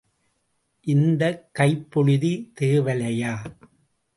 இந்தக் கைப் புழுதி தேவலையா?